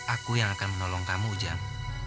aku yang akan menolong kamu ujang